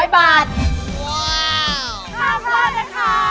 ข้าวความรักค่ะ